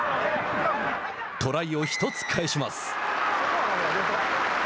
トライを１つ返します。